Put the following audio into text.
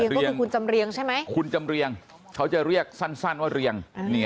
ก็คือคุณจำเรียงใช่ไหมคุณจำเรียงเขาจะเรียกสั้นว่าเรียง